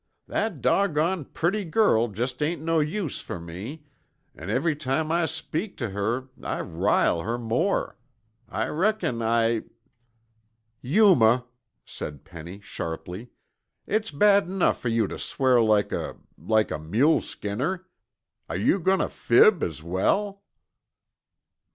That doggone purty girl jest ain't no use fer me, an' every time I speak tuh her I rile her more. I reckon I " "Yuma!" said Penny sharply. "It's bad enough for you to swear like a like a mule skinner. Are you going to fib as well?"